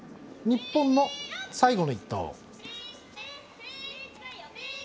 日本の最後の一投。